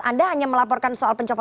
anda hanya melaporkan soal pencopotan